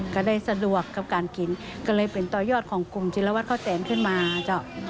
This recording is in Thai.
ก็ได้สะดวกกับการกินก็เลยเป็นต่อยอดของกลุ่มธิรวัตรข้าวแสนขึ้นมาเจ้า